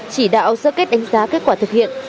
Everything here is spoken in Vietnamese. chỉ đạo sơ kết đánh giá kết quả thực hiện